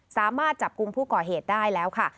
สามารถจับกลุ่มผู้ก่อเหตุได้แล้วค่ะ